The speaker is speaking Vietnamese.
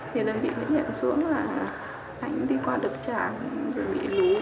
thì đơn vị mới nhận xuống là anh đi qua đợt trạng rồi bị lú quất